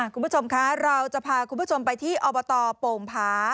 คุณผู้ชมคะเราจะพาคุณผู้ชมไปที่อบตโป่งผา